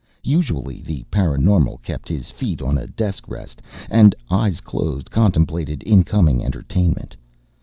Usually the paraNormal kept his feet on a desk rest and, eyes closed, contemplated incoming entertainment.